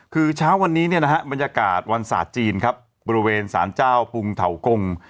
คือเช้าสุดการณ์วันนี้บริเวณสานเจ้าพุงเถาคง